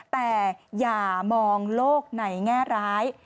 แต่อย่ามองโลกในแง่ร้าย